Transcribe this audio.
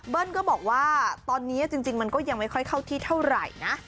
ก็บอกว่าตอนนี้จริงมันก็ยังไม่ค่อยเข้าที่เท่าไหร่นะ